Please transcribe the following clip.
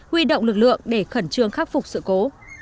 huy động lực lượng để khẩn trương khắc phục sự cố